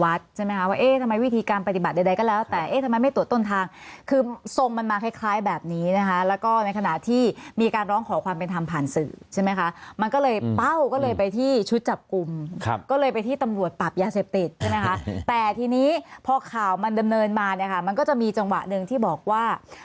ใช่ไหมคะว่าเอ๊ะทำไมวิธีการปฏิบัติใดก็แล้วแต่เอ๊ะทำไมไม่ตรวจต้นทางคือทรงมันมาคล้ายคล้ายแบบนี้นะคะแล้วก็ในขณะที่มีการร้องขอความเป็นธรรมผ่านสื่อใช่ไหมคะมันก็เลยเป้าก็เลยไปที่ชุดจับกลุ่มครับก็เลยไปที่ตำรวจปรับยาเสพติดใช่ไหมคะแต่ทีนี้พอข่าวมันดำเนินมาเนี่ยค่ะมันก็จะมีจังหวะหนึ่งที่บอกว่า